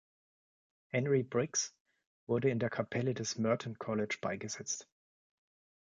Henry Briggs wurde in der Kapelle des Merton College beigesetzt.